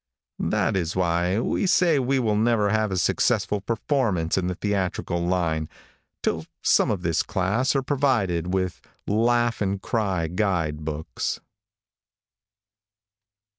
That is why we say that we will never have a successful performance in the theatrical line, till some of this class are provided with laugh and cry guide books.